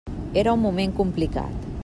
Era un moment complicat.